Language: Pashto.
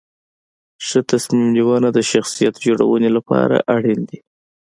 ښه تصمیم نیونه د شخصیت جوړونې لپاره اړین دي.